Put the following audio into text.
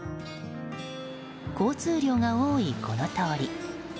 交通量が多い、この通り。